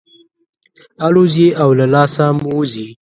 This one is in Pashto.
الوزي او له لاسه مو وځي.